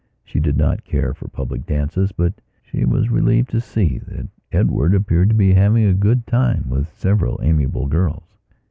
She did not care for public dances, but she was relieved to see that Edward appeared to be having a good time with several amiable girls.